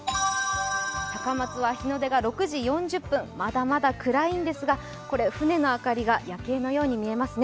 高松は日の出が６時４０分、まだまだ暗いんですが船の明かりが夜景のように見えますね。